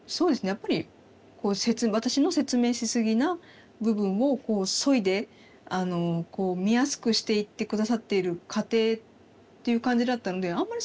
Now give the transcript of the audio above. やっぱり私の説明しすぎな部分をそいで見やすくしていって下さっている過程っていう感じだったのであんまり